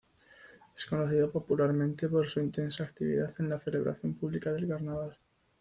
Es conocido popularmente por su intensa actividad en la celebración pública del carnaval.